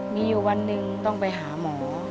มีอยู่วันหนึ่งต้องไปหาหมอ